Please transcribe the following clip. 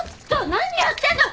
何やってんの！？